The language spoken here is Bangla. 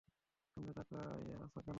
এমনে তাকায়া আছো কেনো?